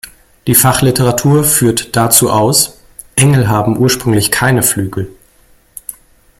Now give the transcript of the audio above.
Die Fachliteratur führt dazu aus: Engel haben ursprünglich keine Flügel.